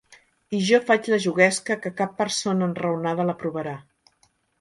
I jo faig la juguesca que cap persona enraonada l'aprovarà.